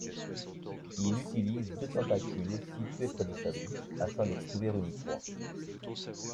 Il utilise deux tentacules situés près de sa bouche afin de trouver une proie.